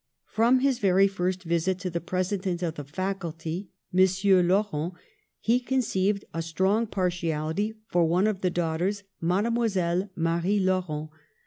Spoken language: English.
From his very first visit to the president of the Faculty, M. Laurent, he conceived a strong partiality for one of the daughters, Mile Marie Laurent.